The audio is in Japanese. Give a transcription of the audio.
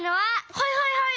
はいはいはい！